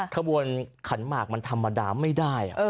ขบวนขันหมากมันธรรมดาไม่ได้